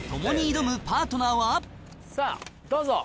さぁどうぞ。